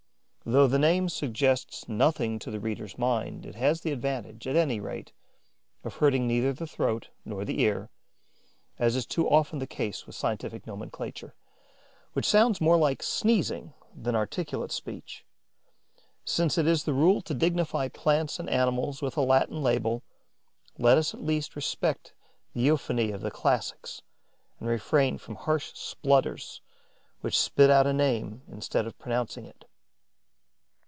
Though the name suggest nothing to the reader's mind, it has the advantage, at any rate, of hurting neither the throat nor the ear, as is too often the case with scientific nomenclature, which sounds more like sneezing than articulate speech. Since it is the rule to dignify plants and animals with a Latin label, let us at least respect the euphony of the classics and refrain from harsh splutters which spit out a name instead of pronouncing it.